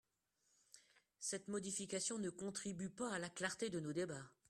Cette modification ne contribue pas à la clarté de nos débats.